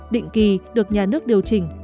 định kỳ được nhà nước điều chỉnh